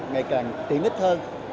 ngày càng tiện ích hơn